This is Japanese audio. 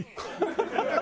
ハハハハ！